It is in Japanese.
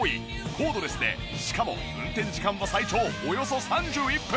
コードレスでしかも運転時間は最長およそ３１分。